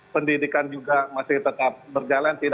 pendidikan juga masih tetap berjalan